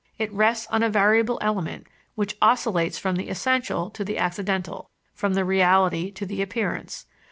It rests on a variable element, which oscillates from the essential to the accidental, from the reality to the appearance.